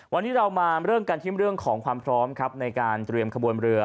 วันนี้เรามีเรื่องการทิ้นเรื่องของขวามพร้อมในการเตรียมขบวนเรือ